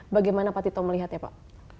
bagaimana pak tito melihatnya pak